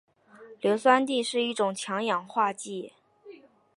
硫酸锑是一种强氧化剂。